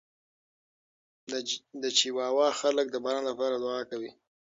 د چیواوا خلک د باران لپاره دعا کوي.